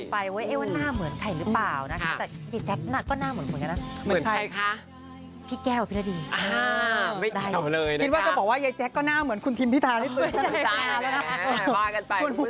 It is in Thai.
เป็นศีรสารให้ไปในช่วงนี้นะ